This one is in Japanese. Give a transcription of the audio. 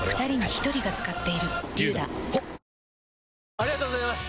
ありがとうございます！